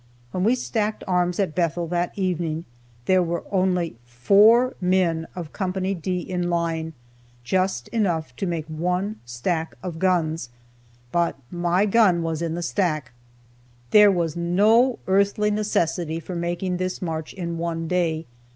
When we stacked arms at Bethel that evening, there were only four men of Co. D in line, just enough to make one stack of guns, but my gun was in the stack. There was no earthly necessity for making this march in one day.